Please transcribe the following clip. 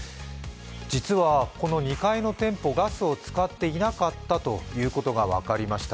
実はこの２階の店舗、ガスを使っていなかったことが分かりました。